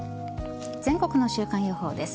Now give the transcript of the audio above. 全国の週間予報です。